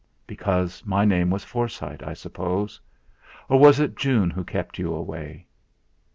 "Because my name was Forsyte, I suppose? Or was it June who kept you away?